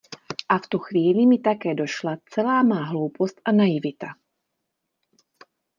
A v tu chvíli mi také došla celá má hloupost a naivita.